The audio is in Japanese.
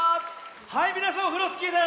はいみなさんオフロスキーです！